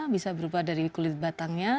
bisa berubah dari kulit batangnya